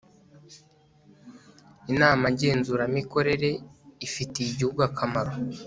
inama ngenzuramikorere ifitiye igihugu akamaro